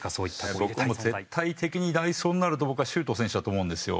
僕も絶対的に代走になると僕は周東選手だと思うんですよ。